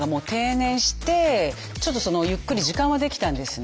ちょっとゆっくり時間は出来たんですね。